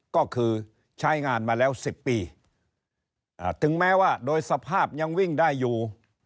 ก็คือใช้งานมาแล้ว๑๐ปีถึงแม้ว่าโดยสภาพยังวิ่งได้อยู่